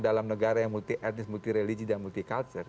dalam negara yang multi etnis multi religi dan multi culture